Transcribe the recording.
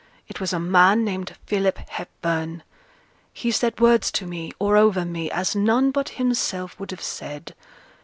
It was a man named Philip Hepburn. He said words to me, or over me, as none but himself would have said.